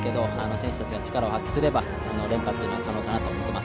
選手たちが力を発揮すれば連覇は可能かなと思います。